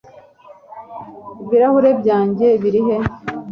ibirahuri byanjye biri he